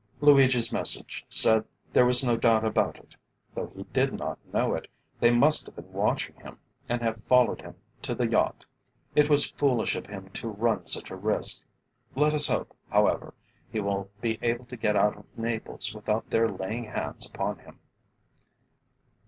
"Luigi's message said there was no doubt about it. Though he did not know it, they must have been watching him, and have followed him to the yacht. It was foolish of him to run such a risk. Let us hope, however, he will be able to get out of Naples without their laying hands upon him."